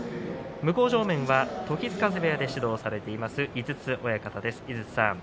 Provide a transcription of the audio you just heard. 向正面は時津風部屋で指導されている井筒親方です。